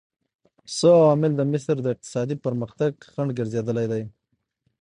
څه عوامل د مصر د اقتصادي پرمختګ خنډ ګرځېدلي دي؟